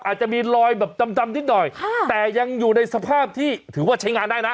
อาจจะมีรอยแบบดำนิดหน่อยแต่ยังอยู่ในสภาพที่ถือว่าใช้งานได้นะ